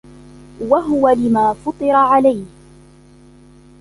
وَهُوَ لِمَا فُطِرَ عَلَيْهِ